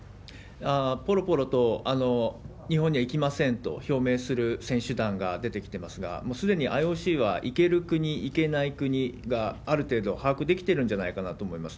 ぽろぽろと日本には行きませんと表明する選手団が出てきてますが、もうすでにＩＯＣは行ける国、行けない国がある程度把握できてるんじゃないかなと思います。